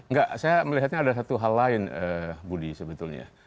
enggak saya melihatnya ada satu hal lain budi sebetulnya